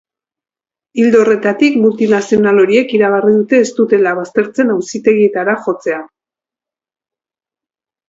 Ildo horretatik, multinazional horiek iragarri dute ez dutela baztertzen auzitegietara jotzea.